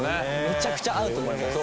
めちゃくちゃ合うと思います。